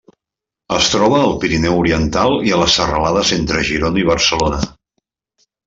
Es troba al Pirineu Oriental i a les serralades entre Girona i Barcelona.